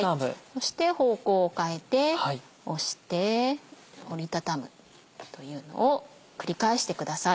そして方向を変えて押して折り畳むというのを繰り返してください。